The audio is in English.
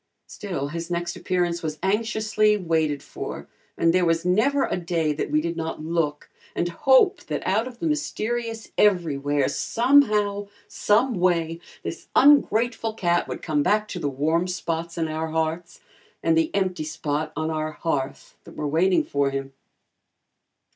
Still, his next appearance was anxiously waited for and there was never a day that we did not look and hope that out of the mysterious everywhere, somehow, someway, this ungrateful cat would come back to the warm spots in our hearts, and the empty spot on our hearth that were waiting for him.